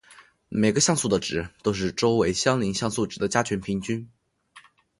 每个像素的值都是周围相邻像素值的加权平均。